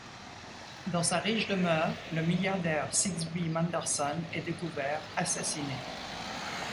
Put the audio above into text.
Dans sa riche demeure, le milliardaire Sigsbee Manderson est découvert, assassiné.